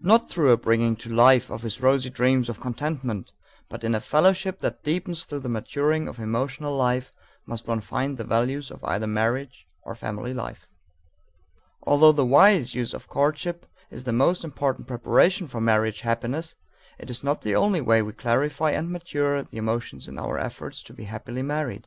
Not through a bringing to life of his rosy dreams of contentment, but in a fellowship that deepens through the maturing of emotional life, must one find the values of either marriage or family life. Although the wise use of courtship is the most important preparation for marriage happiness, it is not the only way we clarify and mature the emotions in our efforts to be happily married.